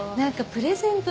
プレゼント？